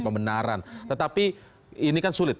pembenaran tetapi ini kan sulit